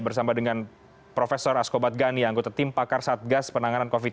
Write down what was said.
bersama dengan prof asko badgani anggota tim pakar satgas penanganan covid sembilan belas